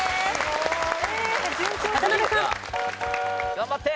頑張って！